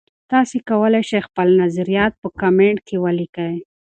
تاسي کولای شئ خپل نظریات په کمنټ کې ولیکئ.